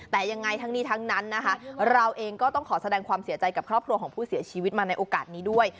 แต่ยังไงทั้งนี้ทั้งนั้นนะคะเราเองก็ต้องขอแสดงความเสียใจกับครอบครัวของผู้เสียชีวิตมาในโอกาสนี้ด้วย